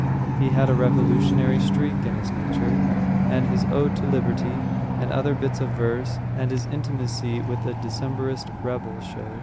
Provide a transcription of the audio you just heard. He had a revolutionary streak in his nature, as his Ode to Liberty and other bits of verse and his intimacy with the Decembrist rebels show.